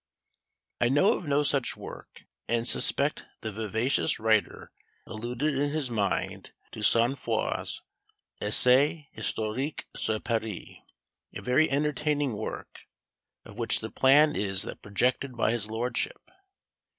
I know of no such work, and suspect the vivacious writer alluded in his mind to Saint Foix's "Essais Historiques sur Paris," a very entertaining work, of which the plan is that projected by his lordship.